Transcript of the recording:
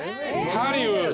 ハリウッド。